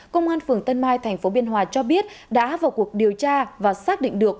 công an phường tân mai tp biên hòa cho biết đã vào cuộc điều tra và xác định được